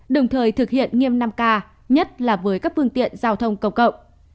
đồng thời thực hiện nghiêm năm k nhất là với các phương tiện giao thông cộng đồng